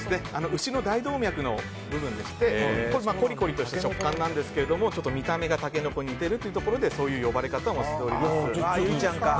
牛の大動脈の部分でしてコリコリとした食感なんですけれども見た目がタケノコに似てるということでそういう呼ばれ方もしております。